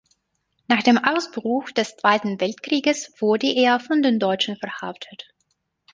Nach dem Ausbruch des Zweiten Weltkrieges wurde er von den Deutschen verhaftet.